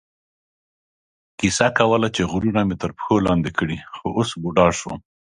کیسه کوله چې غرونه مې تر پښو لاندې کړي، خو اوس بوډا شوم.